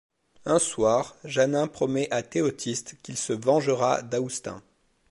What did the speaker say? Un soir, Jeanin promet à Théotiste qu’il se vengera d’Aoustin.